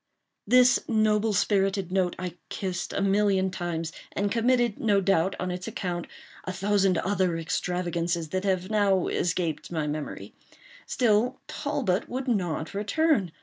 This noble spirited note I kissed a million times, and committed, no doubt, on its account, a thousand other extravagances that have now escaped my memory. Still Talbot would not return.